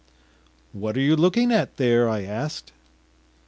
“What are you looking at there?” I asked.